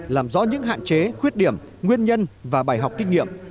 làm rõ những hạn chế khuyết điểm nguyên nhân và bài học kinh nghiệm